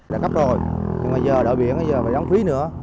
đã cấp rồi nhưng mà giờ đổi biển bây giờ phải đóng phí nữa